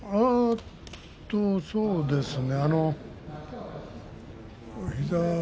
そうですね。